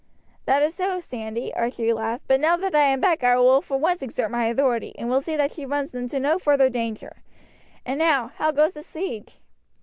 "That is so, Sandy," Archie laughed; "but now that I am back I will for once exert my authority, and will see that she runs into no further danger. And now, how goes the siege?"